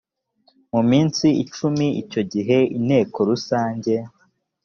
mu minsi icumi icyo gihe inteko rusange